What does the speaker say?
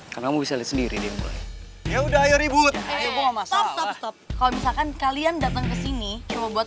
kamu bisa sendiri ya udah ya ribut kalau misalkan kalian datang ke sini coba buat